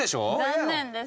残念です。